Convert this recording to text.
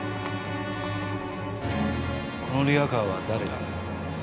このリヤカーは誰が？